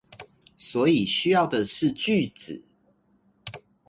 所以需要的是句子